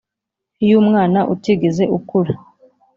y'umwana utigeze akura